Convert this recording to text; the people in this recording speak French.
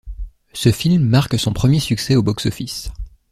Ce film marque son premier succès au box-office.